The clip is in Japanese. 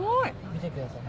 見てください。